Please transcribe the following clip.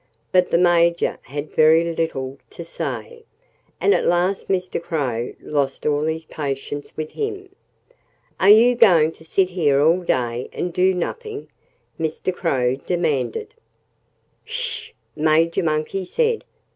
But the Major had very little to say. And at last Mr. Crow lost all patience with him. "Are you going to sit here all day and do nothing?" Mr. Crow demanded. "S sh!" Major Monkey said.